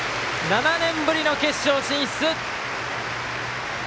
７年ぶりの決勝進出。